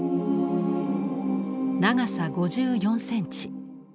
長さ５４センチ。